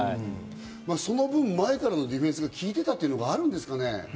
その分、前からのディフェンスが効いてたっていうのはあるんですかね？